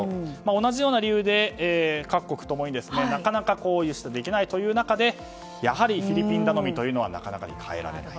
同じような理由で各国共になかなか輸出できないという中でやはりフィリピン頼みというのはなかなか代えられない。